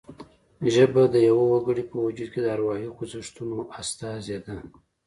ژبه د یوه وګړي په وجود کې د اروايي خوځښتونو استازې ده